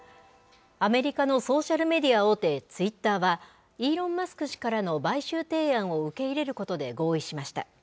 アメリカのソーシャルメディア大手、ツイッターは、イーロン・マスク氏からの買収提案を受け入れることで合意しました。